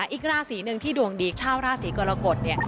อีกราศีหนึ่งที่ดวงดีชาวราศีกรกฎเนี่ย